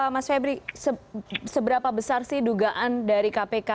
mas febri seberapa besar sih dugaan dari kpk